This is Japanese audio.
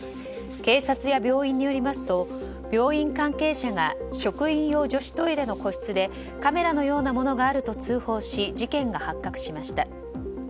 警察や病院によりますと病院関係者が職員用女子トイレの個室でカメラのようなものがあると通報し、事件が発覚しました。